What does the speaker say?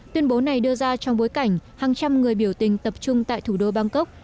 tuyên bố này đưa ra trong bối cảnh hàng trăm người biểu tình tập trung tại thủ đô bangkok